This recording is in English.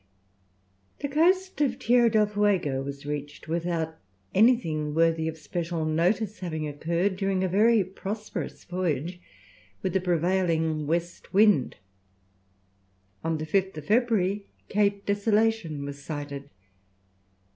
The coast of Tierra del Fuego was reached without anything worthy of special notice having occurred during a very prosperous voyage, with a prevailing west wind. On the 5th February, Cape Desolation was sighted.